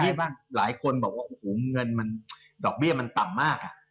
อาย๒๐๒๔บ้างตอนนี้หลายคนบอกว่าโอ้โหเงินบลูกเบียบมันต่ำมากอ่ะ